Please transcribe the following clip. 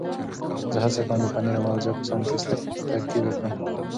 زه هڅه کوم د پنیر او مغزیاتو سنکس ترکیب وکړم.